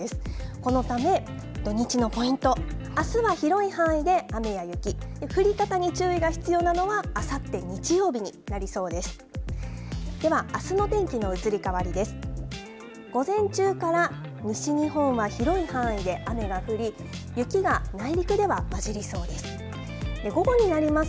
このため、土日のポイント、あすは広い範囲で雨や雪、降り方に注意が必要なのはあさって日曜日になりそうです。